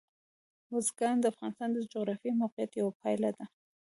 بزګان د افغانستان د جغرافیایي موقیعت یوه پایله ده.